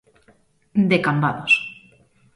De Cambados.